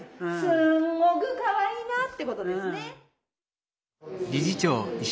すんごくかわいいなってことですね。